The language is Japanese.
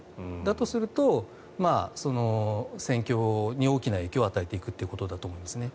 だとすると戦況に大きな影響を与えていくということだと思います。